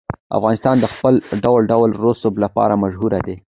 افغانستان د خپل ډول ډول رسوب لپاره مشهور دی.